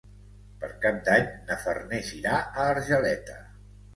Per Cap d'Any na Farners irà a Argeleta.